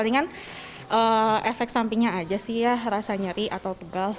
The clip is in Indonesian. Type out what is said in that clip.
ringan efek sampingnya aja sih ya rasa nyeri atau tegal